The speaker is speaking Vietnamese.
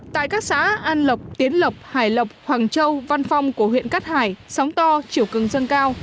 tại các xã an lộc tiến lộc hải lộc hoàng châu văn phong của huyện cát hải sóng to chiều cường dâng cao